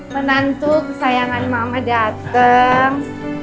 penantu kesayangan mama dateng